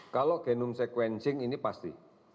kalau genome sequencing ini pasti